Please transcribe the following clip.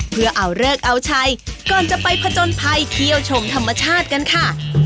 เพื่อเอาเลิกเอาชัยก่อนจะไปผจญภัยเที่ยวชมธรรมชาติกันค่ะ